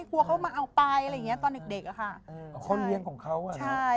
กลัวเขามาเอาไปอะไรอย่างเงี้ยตอนเด็กอะค่ะ